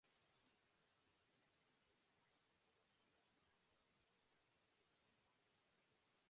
সতের শতকে এই বাহিনী সম্ভবত ভারতের সবচেয়ে সফল গেরিলা বাহিনী ছিল।